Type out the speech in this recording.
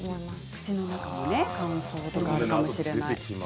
口の中の乾燥とかあるかもしれない。